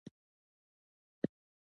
هلته به نڅا او موسیقي غږول کېده.